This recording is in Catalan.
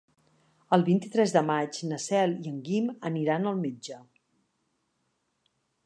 El vint-i-tres de maig na Cel i en Guim aniran al metge.